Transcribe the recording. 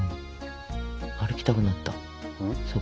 歩きたくなったそこ。